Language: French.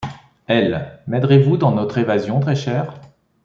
Elle : M’aideriez-vous dans notre évasion, très chère ?